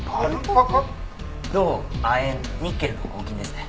銅亜鉛ニッケルの合金ですね。